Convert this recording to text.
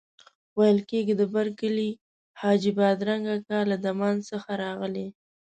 ویل کېږي د برکلي حاجي بادرنګ اکا له دمان څخه راغلی.